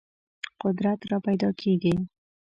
قدرت راپیدا کېږي.